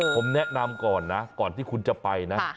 ผมแนะนำก่อนนะก่อนที่คุณจะไปนะ